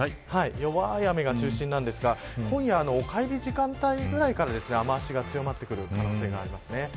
弱い雨が中心ですが今夜、おかえり時間帯ぐらいから雨脚が強まってくる可能性がありますね。